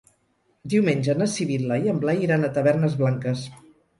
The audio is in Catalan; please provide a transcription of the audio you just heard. Diumenge na Sibil·la i en Blai iran a Tavernes Blanques.